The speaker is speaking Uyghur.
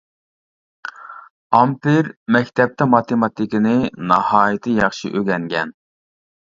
ئامپېر مەكتەپتە ماتېماتىكىنى ناھايىتى ياخشى ئۆگەنگەن.